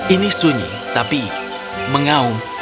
ini sunyi tapi mengaum